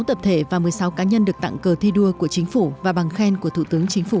sáu tập thể và một mươi sáu cá nhân được tặng cờ thi đua của chính phủ và bằng khen của thủ tướng chính phủ